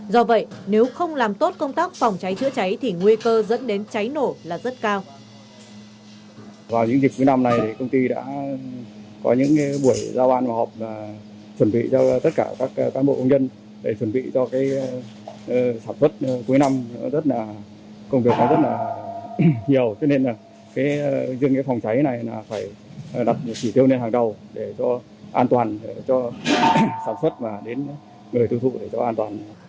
do vậy nếu không làm tốt công tác phòng cháy chữa cháy thì nguy cơ dẫn đến cháy nổ là rất cao